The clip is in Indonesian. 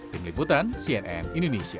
tim liputan cnn indonesia